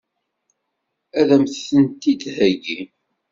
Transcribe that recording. Ad m-tent-id-theggi?